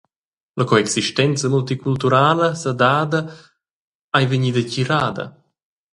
La coexistenza multiculturala sedada ei vegnida tgirada.